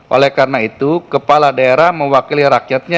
oleh karena itu kepala daerah harus sesuai kehendak atau tradisi rakyat setempat